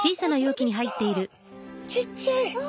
ちっちゃい。